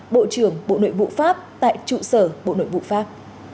bộ trưởng bộ nội vụ pháp tại trụ sở bộ nội vụ pháp